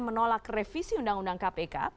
menolak revisi undang undang kpk